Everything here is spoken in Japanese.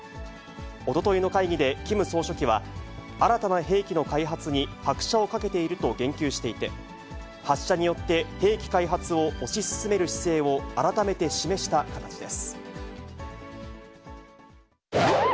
おとといの会議でキム総書記は、新たな兵器の開発に拍車をかけていると言及していて、発射によって兵器開発を推し進める姿勢を改めて示した形です。